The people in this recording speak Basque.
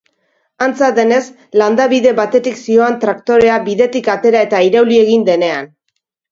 Antza denez, landa-bide batetik zihoan traktorea bidetik atera eta irauli egin denean.